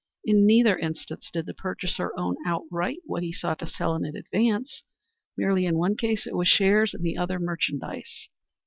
In neither instance did the purchaser own outright what he sought to sell at an advance; merely in one case it was shares, in the other merchandise.